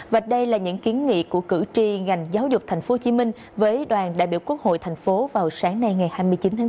và đây là những kiến nghị của cử tri ngành giáo dục tp hcm với đoàn đại biểu quốc hội thành phố vào sáng nay ngày hai mươi chín tháng bốn